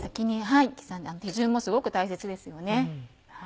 手順もすごく大切ですよね。